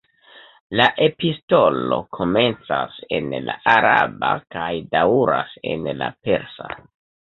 La epistolo komencas en la araba kaj daŭras en la persa.